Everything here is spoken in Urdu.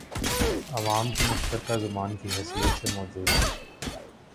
عوام کی مشترکہ زبان کی حیثیت سے موجود تھی